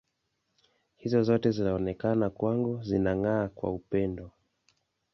Hizo zote zinaonekana kwangu zinang’aa kwa upendo.